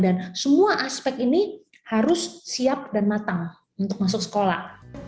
dan semua aspek ini harus siap dan matang untuk masuk sekolah